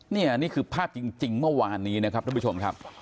นี่นี่คือภาพจริงเมื่อวานนี้นะครับท่านผู้ชมครับ